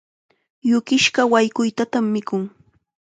Yukisqa wayquytatam mikun.